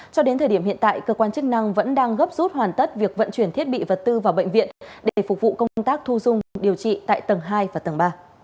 cho đến thời điểm hiện tại cơ quan chức năng vẫn đang gấp rút hoàn tất việc vận chuyển thiết bị vật tư vào bệnh viện để phục vụ công tác thu dung điều trị tại tầng hai và tầng ba